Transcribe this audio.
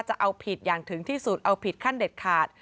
จะเอาผิดอย่างถึงที่สุดเอาผิดขั้นเด็ดขาด